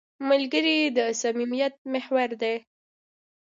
ملګری د صمیمیت محور دی